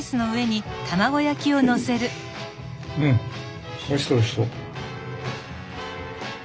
うんおいしそうおいしそう。